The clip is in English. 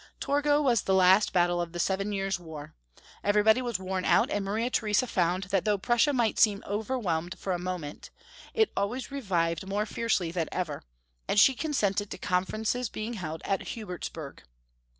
Torgau was the last battle of the Seven Years' War. Everybody was worn out, and Maria The resa foimd that though Prussia might seem over whelmed for a moment, it always revived more fiercely than ever, and she consented to conferences being held at Hubertsberg.